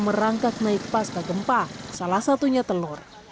merangkak naik pasca gempa salah satunya telur